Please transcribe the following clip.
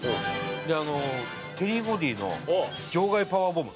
であのテリー・ゴディの場外パワーボム。